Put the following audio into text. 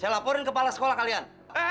laporin kepala sekolah kalian